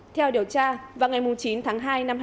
theo điều tra vào ngày chín tháng hai năm hai nghìn hai mươi